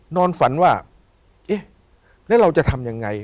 นอนฝันว่าเอ๊ะแล้วเราจะทำยังไง